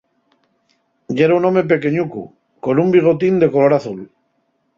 Yera un home pequeñucu, con un bigotín de color azul